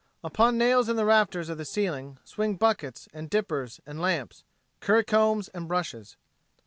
Upon nails in the rafters of the ceiling swing buckets and dippers and lamps, currycombs and brushes.